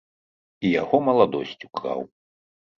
І яго маладосць украў.